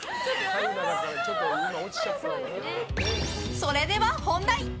それでは本題！